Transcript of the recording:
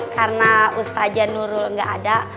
karena ustazah nurul gak ada